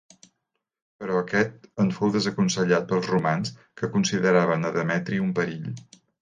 Però aquest en fou desaconsellat pels romans que consideraven a Demetri un perill.